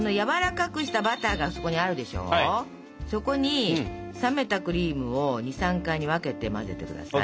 そこに冷めたクリームを２３回に分けて混ぜて下さい。